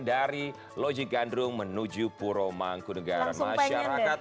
dari loji gandrung menuju puromangku negara masyarakat